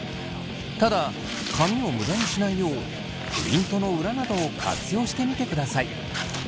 ただ紙を無駄にしないようプリントの裏などを活用してみてください。